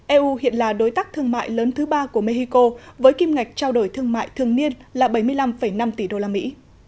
eu hiện là đối tác thương mại lớn thứ ba của mexico với kim ngạch trao đổi thương mại thường niên là bảy mươi năm năm tỷ đô la mỹ